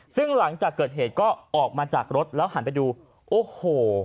ซึ่งหลังจากเกิดเหตุก็ออกมาจากรถแล้วหันไปดูโอ้โห